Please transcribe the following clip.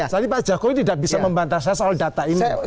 tadi pak jokowi tidak bisa membataskan soal data ini